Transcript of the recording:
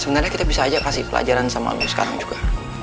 sebenarnya kita bisa aja kasih pelajaran sama ibu sekarang juga